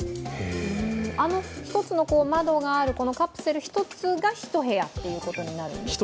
あの１つの窓があるカプセル１つが１部屋ということですか？